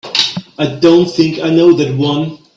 I don't think I know that one.